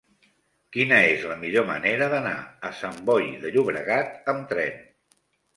Quina és la millor manera d'anar a Sant Boi de Llobregat amb tren?